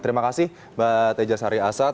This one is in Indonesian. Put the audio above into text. terima kasih mbak teja sari asad